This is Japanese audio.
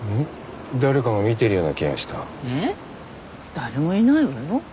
誰もいないわよ。